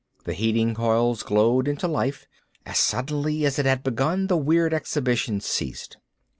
The heating coils glowed into life. As suddenly as it had begun the weird exhibition ceased.